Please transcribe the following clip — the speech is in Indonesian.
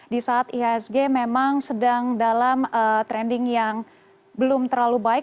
di saat ihsg memang sedang dalam trending yang belum terlalu baik